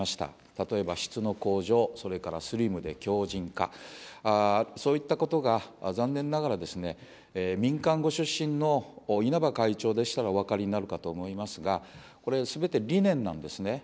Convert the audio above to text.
例えば質の向上、それからスリムで強じん化、そういったことが、残念ながらですね、民間ご出身の稲葉会長でしたらお分かりになるかと思いますが、これ、すべて理念なんですね。